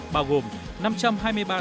bao gồm năm trăm hai mươi thủ đô